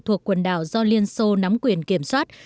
thuộc quần đảo do liên xô nắm quyền kiểm soát